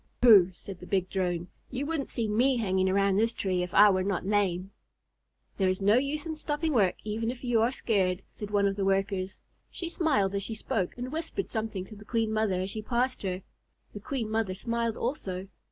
"Pooh!" said the big Drone. "You wouldn't see me hanging around this tree if I were not lame." "There is no use in stopping work even if you are scared," said one of the Workers. She smiled as she spoke, and whispered something to the Queen Mother as she passed her. The Queen Mother smiled also.